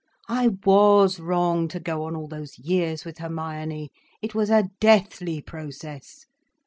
I was wrong to go on all those years with Hermione—it was a deathly process.